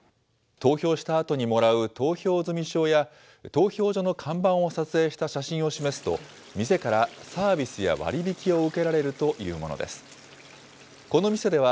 投票したあとにもらう投票済証や投票所の看板を撮影した写真を示すと、店からサービスや割引を受けられるというものです。